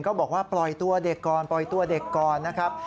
บอกว่าปล่อยตัวเด็กก่อนปล่อยตัวเด็กก่อนนะครับ